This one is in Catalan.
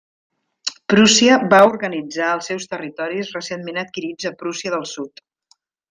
Prússia va organitzar els seus territoris recentment adquirits a Prússia del Sud.